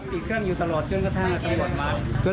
ติดเครื่องอยู่ตลอดจนกระทั่งกระทั่งกระทั่งกระทั่งกระทั่ง